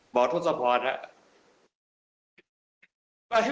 หมอทศพรครับ